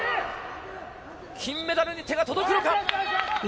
金メダルに手が届くのか。